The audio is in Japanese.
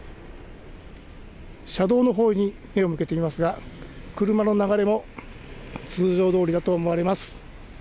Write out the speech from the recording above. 車道のほうに目を向けてみますが、車の流れも通常どおりだと思われます。